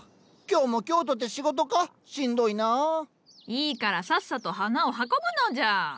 いいからさっさと花を運ぶのじゃ。